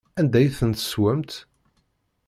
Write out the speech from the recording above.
Anda i ten-tessewwemt?